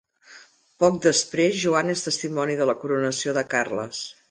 Poc després, Juana és testimoni de la coronació de Carles.